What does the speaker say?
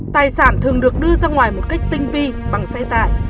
tài sản thường được đưa ra ngoài một cách tinh vi bằng xe tải